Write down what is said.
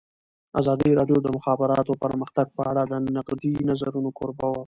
ازادي راډیو د د مخابراتو پرمختګ په اړه د نقدي نظرونو کوربه وه.